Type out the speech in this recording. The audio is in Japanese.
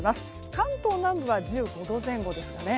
関東南部は１５度前後です。